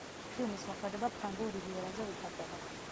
ფილმის მოქმედება ფრანგულ რივიერაზე ვითარდება.